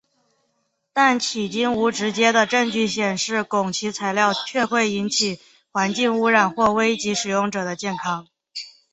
但迄今无直接的证据显示汞齐材料确会引起环境污染或危及使用者的健康。